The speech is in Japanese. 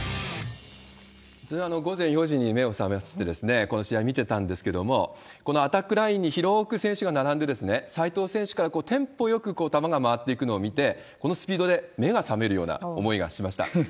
私、午前４時に目を覚まして、この試合見てたんですけれども、このアタックラインに広く選手が並んで、齋藤選手からテンポよく球が回っていくのを見て、このスピードで目が覚めるような思いがしました。